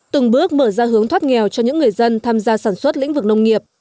từng bước mở ra hướng thoát nghèo cho những người dân tham gia sản xuất lĩnh vực nông nghiệp